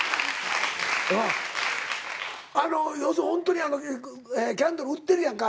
要するにホントにキャンドル売ってるやんか。